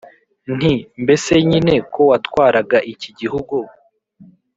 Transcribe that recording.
nti: “mbese nyine ko watwaraga iki gihugu